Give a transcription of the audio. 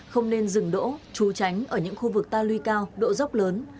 không nên dừng đỗ trú tránh ở những khu vực ta lui cao độ dốc lớn